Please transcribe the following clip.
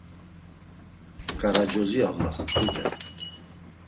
K̆aracozi Avla, tude.